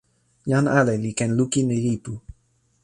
jan ale li ken lukin e lipu.